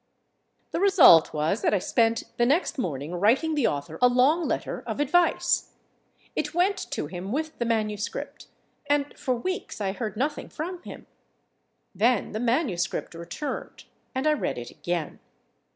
The result was that I spent the next morning writing the author a long letter of advice. It went to him with the manuscript, and for weeks I heard nothing from him. Then the manuscript returned, and I read it again.